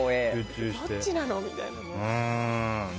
どっちなの？みたいな。